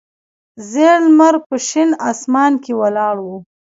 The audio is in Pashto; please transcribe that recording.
زیړ لمر په شین اسمان کې ولاړ و.